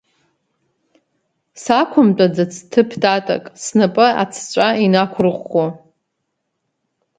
Сықәымҭәаӡацт ҭыԥ татак, снапы аҵәҵәа инақәырӷәӷәо.